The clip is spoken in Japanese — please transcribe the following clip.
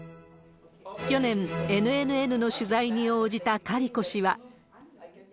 去年、ＮＮＮの取材に応じたカリコ氏は。